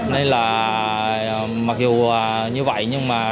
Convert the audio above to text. đây là mặc dù như vậy nhưng mà